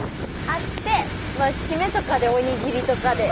あって締めとかでおにぎりとかで。